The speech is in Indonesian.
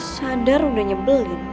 sadar udah nyebelin